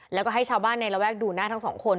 แล้วก็ให้ชาวบ้านในระแวกดูหน้าทั้งสองคน